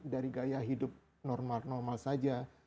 dari gaya hidup normal normal saja